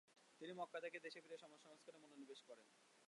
তিনি মক্কা থেকে দেশে ফিরে সমাজ সংস্কারে মনোনিবেশ করেন।